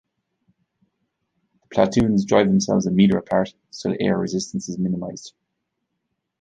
The platoons drive themselves a meter apart, so that air resistance is minimized.